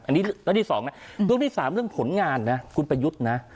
อันนี้เรื่องที่๒นะเรื่องที่๓เรื่องผลงานนะคุณประยุทธ์นะ